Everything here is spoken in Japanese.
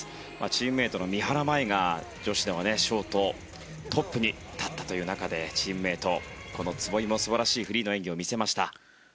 チームメートの三原舞依が女子ではショートトップに立ったという中でチームメートのこの壷井も素晴らしいフリーの演技を見せました。